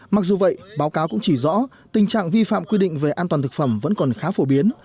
mặc dù vậy báo cáo cũng chỉ rõ tình trạng vi phạm quy định về an toàn thực phẩm vẫn còn khá phổ biến